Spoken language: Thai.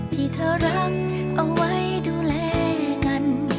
ที่เธอรักเอาไว้ดูแลกัน